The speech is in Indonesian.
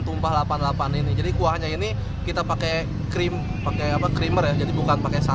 tumpah delapan puluh delapan ini jadi kuahnya ini kita pakai krim pakai apa krimer ya jadi bukan pakai